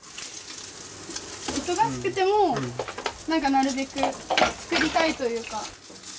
忙しくても、なんかなるべく作りたいというか。